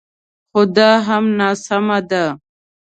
خو دا هم ناسمه ده